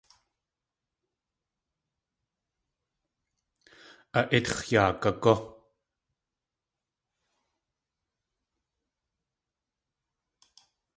A ítx̲ yaa gagú!